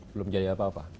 belum jadi apa apa